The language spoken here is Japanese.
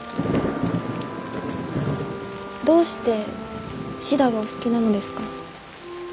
どうしてシダがお好きなのですか？